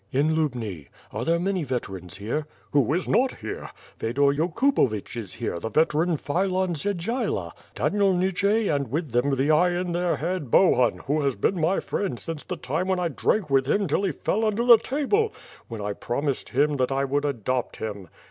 "In Lubni. Are there many veterans here?" "Who is not here? Fedor Yokubovich is here, the veteran Philon Dzyedziala, Daniel Nechay and with them the eye in their head, Bohun, who has been my friend since the time when I drank with him till he fell under the table; when I promised him that I would adopt him.